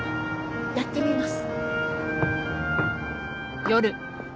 やってみます。